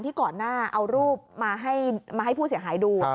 ก่อนหน้าเอารูปมาให้ผู้เสียหายดู